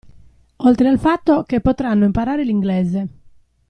Oltre al fatto che potranno imparare l'inglese.